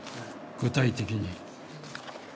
具体的に。